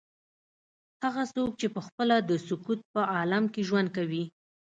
هغه څوک چې پخپله د سکوت په عالم کې ژوند کوي.